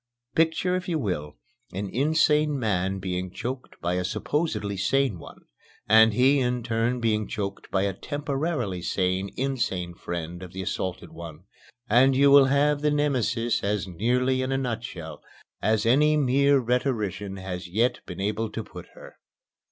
Picture, if you will, an insane man being choked by a supposedly sane one, and he in turn being choked by a temporarily sane insane friend of the assaulted one, and you will have Nemesis as nearly in a nutshell as any mere rhetorician has yet been able to put her.